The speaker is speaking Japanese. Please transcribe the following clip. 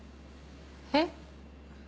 えっ？